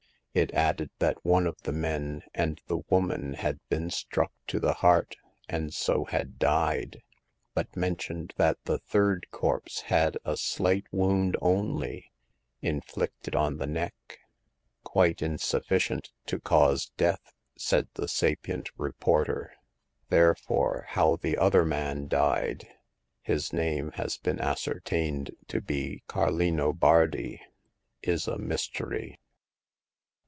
It added that one of the men and the woman had been struck to the heart, and so had died ; but . mentioned that the third corpse had a slight wound only, inflicted on the neck. " Quite insufficient to cause death," said the sapient reporter ;therefore, how the other man died — his name has been ascertained to be Carlino Bardi~is a mystery."